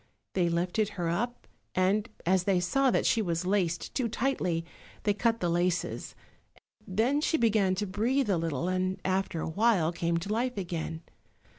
They lifted her up, and, as they saw that she was laced too tightly, they cut the laces; then she began to breathe a little, and after a while came to life again.